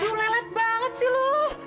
aduh lelet banget sih lo